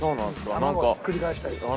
卵ひっくり返したりする。